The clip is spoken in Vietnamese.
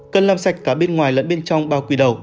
cần làm sạch cả bên ngoài lẫn bên trong bao quý đầu